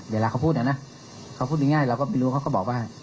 เวลาเขาพูดนะเขาพูดง่ายแล้วก็บอกว่า